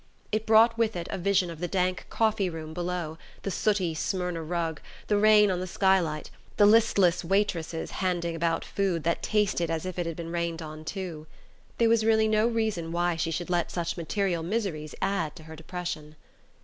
It brought with it a vision of the dank coffee room below, the sooty Smyrna rug, the rain on the sky light, the listless waitresses handing about food that tasted as if it had been rained on too. There was really no reason why she should let such material miseries add to her depression....